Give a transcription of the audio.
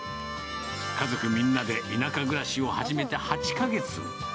家族みんなで田舎暮らしを始めて８か月。